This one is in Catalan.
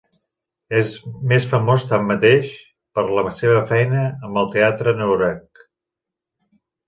És més famós tanmateix per la seva feina amb el teatre noruec.